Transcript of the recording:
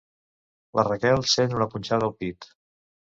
La Raquel sent una punxada al pit.